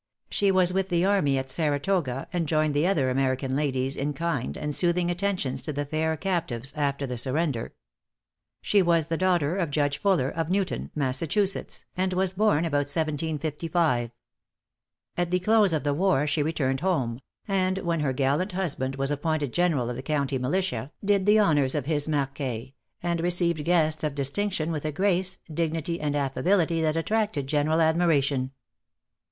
She was with the army at Saratoga, and joined the other American ladies in kind and soothing attentions to the fair captives after the surrender. She was the daughter of Judge Fuller, of Newton, Massachusetts, and was born about 1755. At the close of the war she returned home; and when her gallant husband was appointed general of the county militia, did the honors of his Marquée, and received guests of distinction with a grace, dignity, and affability that attracted general admiration.